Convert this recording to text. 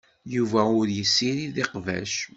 Yuba ur yessirid iqbac.